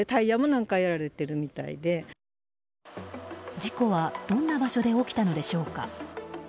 事故は、どんな場所で起きたのでしょうか。